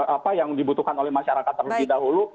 apa yang dibutuhkan oleh masyarakat terlebih dahulu